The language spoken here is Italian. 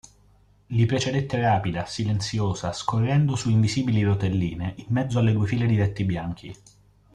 Li precedette rapida, silenziosa, scorrendo su invisibili rotelline, in mezzo alle due file di letti bianchi.